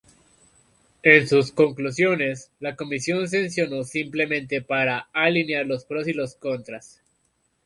En sus conclusiones la comisión sesionó simplemente para alinear los pros y los contras.